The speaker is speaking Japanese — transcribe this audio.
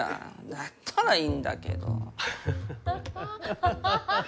だったらいいんだけど。ハハハハ。